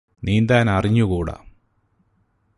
നീന്താൻ അറിഞ്ഞുകൂടാ